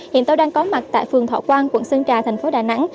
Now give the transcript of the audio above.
hiện tôi đang có mặt tại phường thọ quang quận sơn trà thành phố đà nẵng